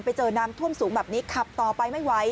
ไปเจอน้ำท่วมสูงแบบนี้ขับต่อไปไม่ไหว